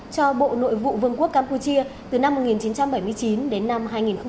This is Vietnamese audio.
cho bộ nội vụ vương quốc campuchia từ năm một nghìn chín trăm bảy mươi chín đến năm hai nghìn một mươi